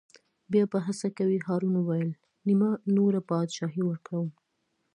بیا به څه کوې هارون وویل: نیمه نوره بادشاهي ورکووم.